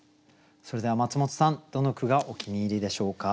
それではマツモトさんどの句がお気に入りでしょうか？